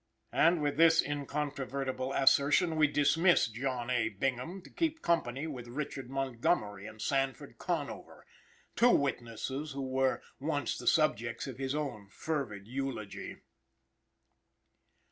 And, with this incontrovertible assertion, we dismiss John A. Bingham to keep company with Richard Montgomery and Sanford Conover, two witnesses who were once the subjects of his own fervid eulogy.